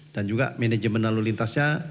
dan juga manajemen lalu lintasnya